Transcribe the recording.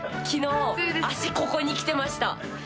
昨日足ここに来てました。